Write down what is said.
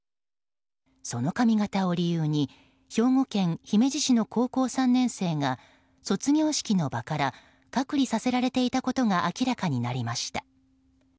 その髪形を理由に兵庫県姫路市の高校３年生が卒業式の場から隔離させられていたことが明らかになりました。